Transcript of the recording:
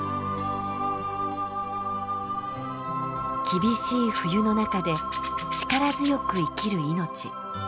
厳しい冬の中で力強く生きる命。